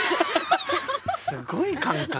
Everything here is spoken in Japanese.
すごい感覚。